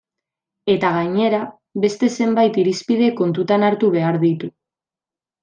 Eta gainera, beste zenbait irizpide kontutan hartu behar ditu.